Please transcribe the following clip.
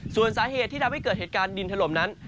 ส่วนสาเหตุที่ทำให้เกิดเหตุการณ์ดินถล่มนั้น